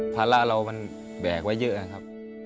ภาระเรามันแบกไว้เยอะนะครับ